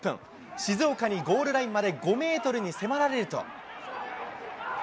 静岡にゴールラインまで５メートルに迫られると。